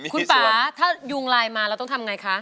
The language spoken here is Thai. คุณป่าถ้ายุงไลน์มาเราต้องทำไงคะ